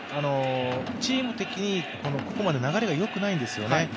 チーム的に、ここまで流れがよくないんですよね。